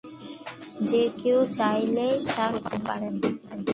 যে কেউ চাইলেই তা সংগ্রহ করতে পারেন।